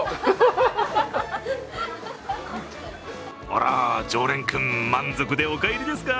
あら、常連君、満足でお帰りですか？